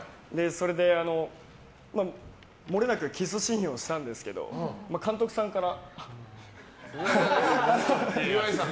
それで、もれなくキスシーンをしたんですけど監督さんから。